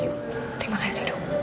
terima kasih dong